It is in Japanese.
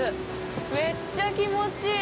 めっちゃ気持ちいい。